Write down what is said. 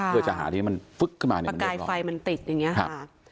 เพื่อจะหาที่ให้มันฟึ๊กขึ้นมาประกายไฟมันติดอย่างเงี้ค่ะ